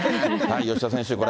吉田選手、これ。